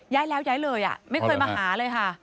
ย้ายแล้วย้ายเลยไม่เคยมาหาเลยค่ะ